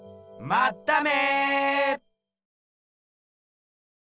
まっため！